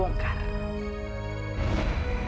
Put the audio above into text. tolong cari tahu siapa yang nangis itu